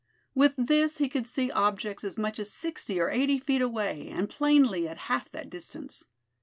With this he could see objects as much as sixty or eighty feet away, and plainly at half that distance.